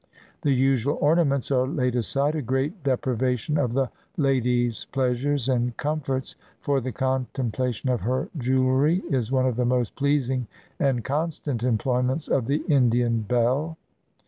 The usual ornaments are laid aside — a great deprivation of the ladies' pleasures and comforts, for the contemplation of her jewelry is one of the most pleasing and constant employments of the Indian belle.